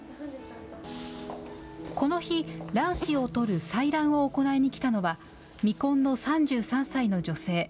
この日、卵子を採る採卵を行いに来たのは、未婚の３３歳の女性。